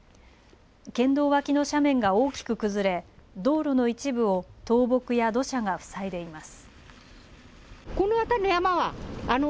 県道脇の斜面が大きく崩れ道路の一部を倒木や土砂が塞いでいます。